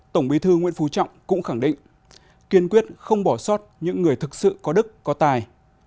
tổng bí thư nguyễn phú trọng cũng khẳng định kiên quyết không bỏ sót những người thực sự có đức có tài